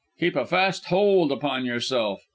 Keep a fast hold upon yourself.